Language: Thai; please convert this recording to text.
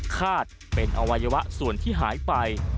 คาดเป็นอวัยวะส่วนที่หายไป